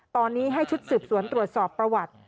ตอนนี้ให้ชุดสืบสวนตรวจสอบประวัติ